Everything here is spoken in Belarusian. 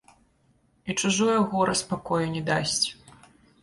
І чужое гора спакою не дасць.